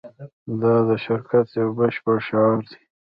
دا د شرکت یو بشپړ شعار دی